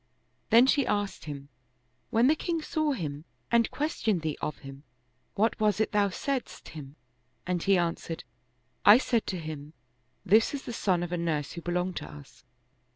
Then she asked him, " When the king saw him and questioned thee of him, what was it thou saidst him ?" and he answered, " I said to him :" This is the son of a nurse who belonged to us.